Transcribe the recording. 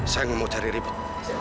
saya mau cari ribut